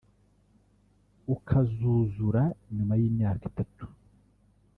ukazuzura nyuma y’imyaka itatu